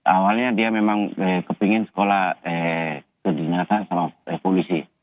awalnya dia memang kepingin sekolah ke dinasan sama polisi